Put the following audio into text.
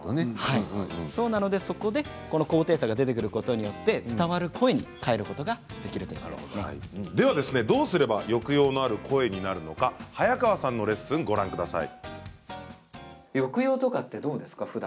そこで高低差が出てくることで伝わる声に変えることがどうすれば抑揚のある声になるのか早川さんのレッスンご覧ください。